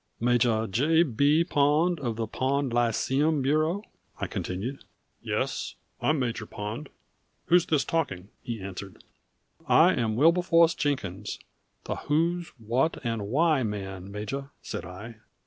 "Major J. B. Pond of the Pond Lyceum Bureau?" I continued. "Yes, I'm Major Pond. Who's this talking?" he answered. "I am Wilberforce Jenkins, the Who's What and Why man, Major," said I.